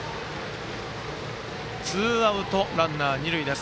ツーアウト、ランナー、二塁です。